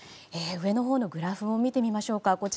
上のほうのグラフも見てみましょうか。